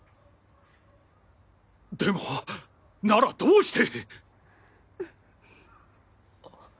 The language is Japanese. でもならどうして。